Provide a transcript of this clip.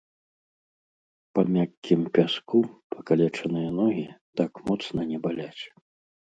Па мяккім пяску пакалечаныя ногі так моцна не баляць.